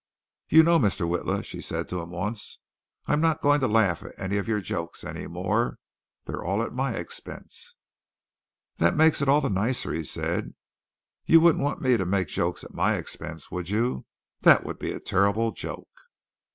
"You know, Mr. Witla," she said to him once, "I'm not going to laugh at any of your jokes any more. They're all at my expense." "That makes it all the nicer," he said. "You wouldn't want me to make jokes at my expense, would you? That would be a terrible joke."